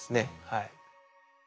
はい。